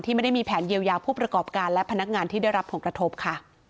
ไม่ได้มีแผนเยียวยาผู้ประกอบการและพนักงานที่ได้รับผลกระทบค่ะ